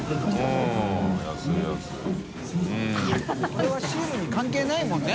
これはシールに関係ないもんね。